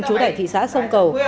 trú tại thị xã sông cầu